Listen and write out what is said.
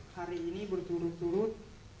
hari ini berturut turut